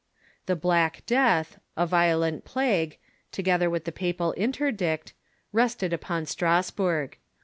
The Black Death, a violent plague, together Avith the papal intei dict, rested upon Strasburg.